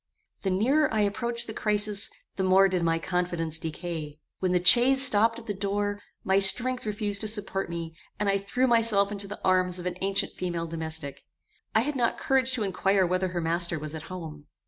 The nearer I approached the crisis, the more did my confidence decay. When the chaise stopped at the door, my strength refused to support me, and I threw myself into the arms of an ancient female domestic. I had not courage to inquire whether her master was at home.